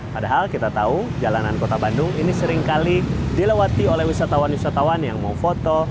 padahal kita tahu jalanan kota bandung ini seringkali dilewati oleh wisatawan wisatawan yang mau foto